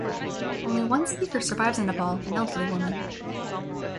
Only one speaker survives in Nepal, an elderly woman.